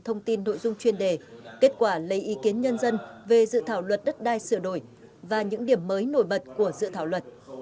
thông tin nội dung chuyên đề kết quả lấy ý kiến nhân dân về dự thảo luật đất đai sửa đổi và những điểm mới nổi bật của dự thảo luật